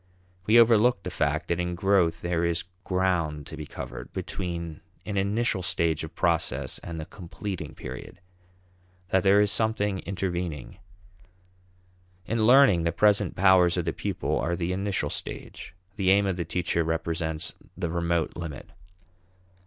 We overlook the fact that in growth there is ground to be covered between an initial stage of process and the completing period; that there is something intervening. In learning, the present powers of the pupil are the initial stage; the aim of the teacher represents the remote limit.